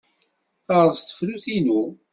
Terreẓ tefrut-inu.